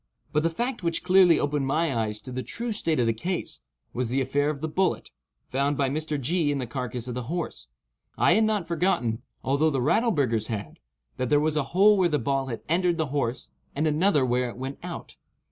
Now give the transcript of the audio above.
But the fact which clearly opened my eyes to the true state of the case, was the affair of the bullet, found by Mr. G. in the carcass of the horse. I had not forgotten, although the Rattleburghers had, that there was a hole where the ball had entered the horse, and another where it went out.